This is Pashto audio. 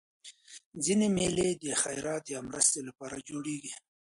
ځيني مېلې د خیرات یا مرستي له پاره جوړېږي.